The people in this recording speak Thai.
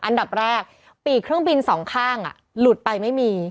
อันดับแรกปีกเครื่องบินสองข้างหลุดไปไม่มี